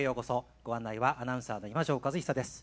ご案内はアナウンサーの今城和久です。